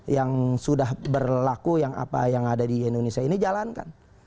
yang sudah berlaku yang ada di indonesia ini jalankan